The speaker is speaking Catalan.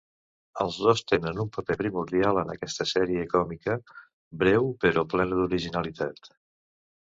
Els dos tenen un paper primordial en aquesta sèrie còmica, breu però plena d'originalitat.